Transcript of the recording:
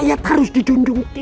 dia bukan orang orang yang kecil